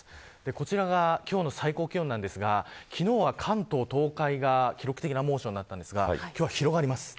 こちらが今日の最高気温ですが昨日は関東、東海が記録的な猛暑になりましたが今日は広がります。